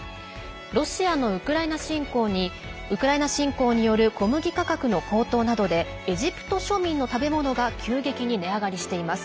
ロシアのウクライナ侵攻による小麦価格の高騰などでエジプト庶民の食べ物が急激に値上がりしています。